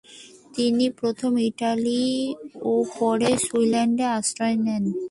তিনি প্রথমে ইটালি ও পরে সুইজারল্যান্ডে আশ্রয় নেন।